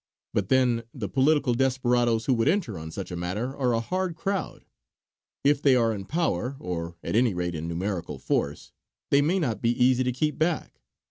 But then, the political desperadoes who would enter on such a matter are a hard crowd; if they are in power, or at any rate in numerical force, they may not be easy to keep back.